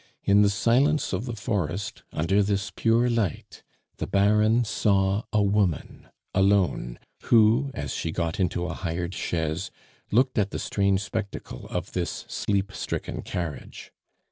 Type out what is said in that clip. In the silence of the forest, under this pure light, the Baron saw a woman, alone, who, as she got into a hired chaise, looked at the strange spectacle of this sleep stricken carriage.